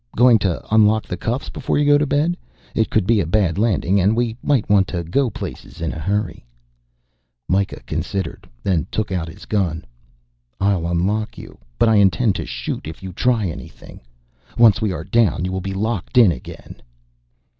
Going to unlock the cuffs before you go to bed? It could be a bad landing and we might want to go places in a hurry." Mikah considered, then took out his gun. "I'll unlock you, but I intend to shoot if you try anything. Once we are down you will be locked in again."